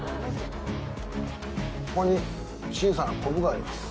ここに小さなこぶがあります。